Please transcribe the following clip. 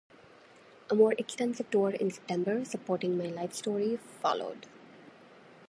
A more extensive tour in September, supporting My Life Story, followed.